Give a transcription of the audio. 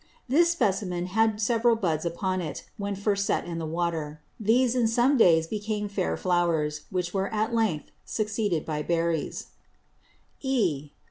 This Specimen had several Buds upon it, when first set in the Water. These in some Days became fair Flowers, which were at length succeeded by Berries. (E.)